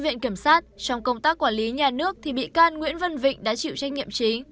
viện kiểm sát trong công tác quản lý nhà nước thì bị can nguyễn văn vịnh đã chịu trách nhiệm chính